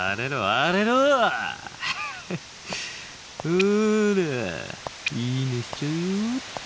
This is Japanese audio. ほら「いいね」しちゃうよっと。